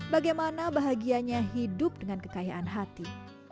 bagaimana bahagianya hidup dengan kekayaan hati